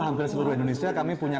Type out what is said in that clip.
hampir seluruh indonesia kami punya